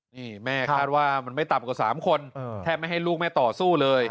นี่แม่คาดว่ามันไม่ต่ำกว่า๓คนแทบไม่ให้ลูกแม่ต่อสู้เลย